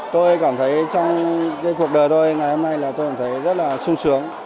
tôi cảm thấy trong cái cuộc đời tôi ngày hôm nay là tôi cảm thấy rất là sung sướng